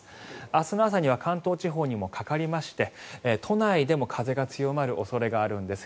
明日の朝には関東地方にもかかりまして都内でも風が強まる恐れがあるんです。